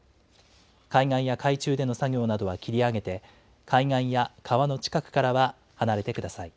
海岸や海中での作業などは切り上げて、海岸や川の近くからは離れてください。